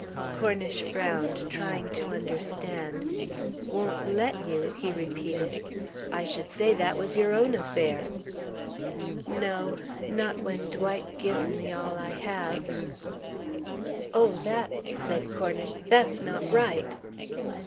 Cornish frowned, trying to understand. "'Won't let you!'" he repeated. "I should say that was your own affair." "No. Not when Dwight gives me all I have." "Oh, that " said Cornish. "That's not right."